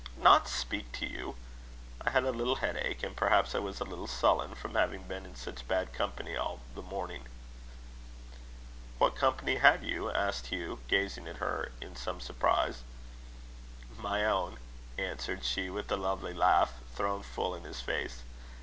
"Not speak to you? I had a little headache and perhaps I was a little sullen, from having been in such bad company all the morning." "What company had you?" asked Hugh, gazing at her in some surprise. "My own," answered she, with a lovely laugh, thrown full in his face.